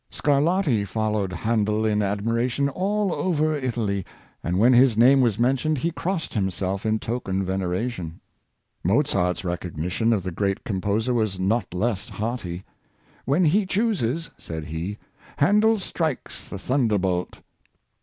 Scarlatti followed Handel in admiration all over Italy, and, when his name was mentioned, he crossed himself in token of veneration. Mozart's re cognition of the great composer was not less hearty. ^' When he chooses," said he, " Handel strikes like the thunderbolt."